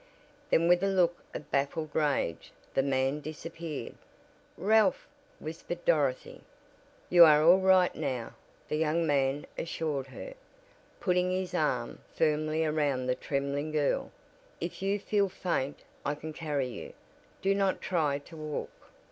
Then with a look of baffled rage the man disappeared. "Ralph!" whispered Dorothy. "You are all right now," the young man assured her, putting his arm firmly around the trembling girl, "if you feel faint I can carry you. Do not try to walk."